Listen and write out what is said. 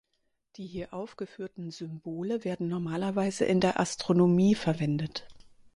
Die hier aufgeführten Symbole werden normalerweise in der Astronomie verwendet.